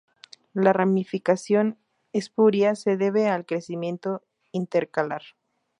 La ramificación espuria se debe al crecimiento intercalar.